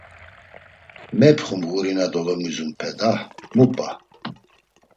Mepxum guri na dolomizunpe da, mu p̌a!